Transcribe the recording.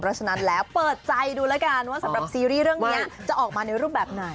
เพราะฉะนั้นแล้วเปิดใจดูแล้วกันว่าสำหรับซีรีส์เรื่องนี้จะออกมาในรูปแบบไหน